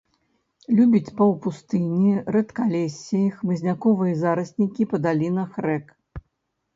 Любіць паўпустыні, рэдкалессі, хмызняковыя зараснікі па далінах рэк.